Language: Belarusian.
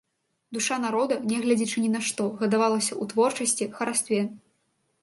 Душа народа, нягледзячы на нішто, гадавалася ў творчасці, харастве.